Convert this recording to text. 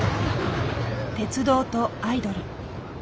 鉄道とアイドル。